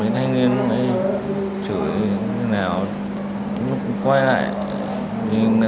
thành niên ở ngôi sao xe đấy quay lại chửi